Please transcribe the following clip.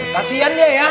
kasian dia ya